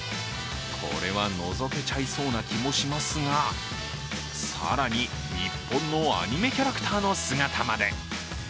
これはのぞけちゃいそうな気もしますが更に、日本のアニメキャラクターの姿まで。